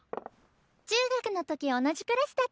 中学の時同じクラスだったの。